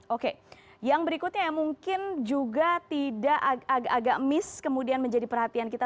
oke yang berikutnya yang mungkin juga tidak agak miss kemudian menjadi perhatian kita